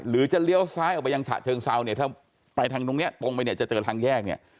จะเลี้ยวซ้ายออกไปยังฉะเชิงเซาเนี่ยถ้าไปทางตรงเนี้ยตรงไปเนี่ยจะเจอทางแยกเนี่ย